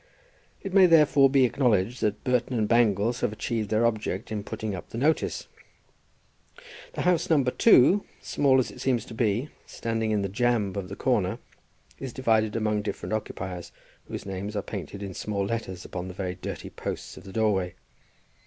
It may therefore be acknowledged that Burton and Bangles have achieved their object in putting up the notice. The house No. 2, small as it seems to be, standing in the jamb of a corner, is divided among different occupiers, whose names are painted in small letters upon the very dirty posts of the doorway.